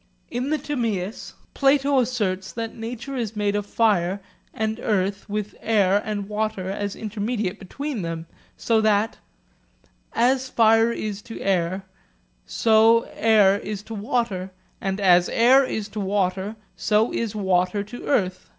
In the Timaeus Plato asserts that nature is made of fire and earth with air and water as intermediate between them, so that 'as fire is to air so is air to water, and as air is to water so is water to earth.'